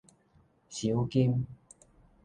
賞金